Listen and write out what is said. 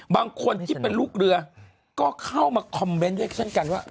บางคนที่เป็นลูกเรือก็เข้ามาคอมเมนต์ด้วยเช่นกันว่า